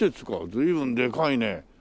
随分でかいね。